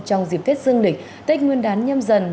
trong dịp tết dương lịch tết nguyên đán nhâm dần